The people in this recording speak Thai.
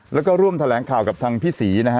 แล้วก็ร่วมแถลงข่าวกับทางพี่ศรีนะฮะ